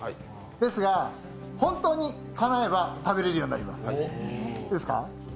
ですが、本当にかなえば食べられるようになります。